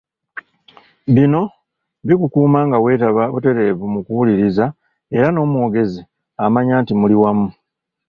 Bino bikukuuma ngaweetaba butereevu mu kuwuliriza ara n’omwogezi amanya nti muli wamu .